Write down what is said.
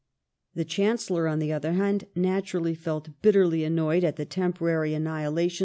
The Chancellor, on the other hand, natu rally felt bitterly annoyed at the temporary annihilation HOME AFFAIRS.